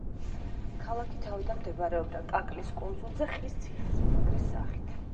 ქალაქი თავიდან მდებარეობდა კაკლის კუნძულზე ხის ციხესიმაგრის სახით.